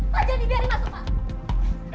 pak jani biarin masuk pak